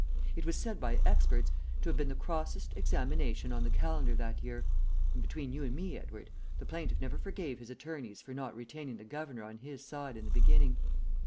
It was said by experts to have been the crossest examination on the calendar that year; and between you and me, Edward, the plaintiff never forgave his attorneys for not retaining the governor on his side in the beginning.